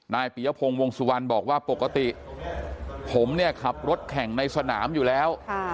ปียพงศ์วงสุวรรณบอกว่าปกติผมเนี่ยขับรถแข่งในสนามอยู่แล้ว